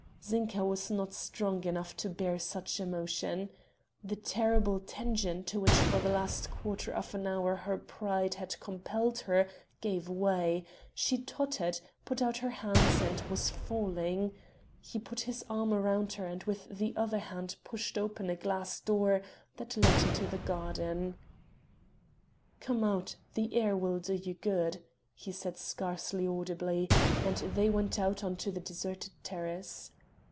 Zinka was not strong enough to bear such emotion; the terrible tension to which for the last quarter of an hour her pride had compelled her gave way; she tottered, put out her hands, and was falling. He put his arm round her and with the other hand pushed open a glass door that led into the garden. "Come out, the air will do you good," he said scarcely audibly, and they went out on to the deserted terrace.